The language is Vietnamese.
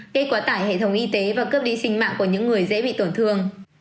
gây quá tải hệ thống y tế và cướp đi sinh mạng của những người dễ bị tổn thương